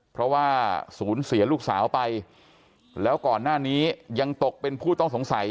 เพราะว่าศูนย์เสียลูกสาวไปแล้วก่อนหน้านี้ยังตกเป็นผู้ต้องสงสัย